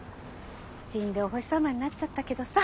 死んでお星様になっちゃったけどさ。